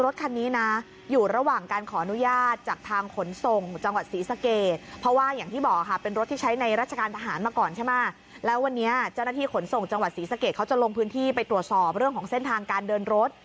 ตรวจสอบเรื่องของเส้นทางการเดินรถ